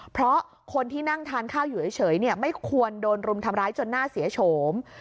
เพราะคนที่นั่งทานข้าวอยู่เฉยไม่ควรโดนรุมทำร้ายจนหน้าเสียโฉม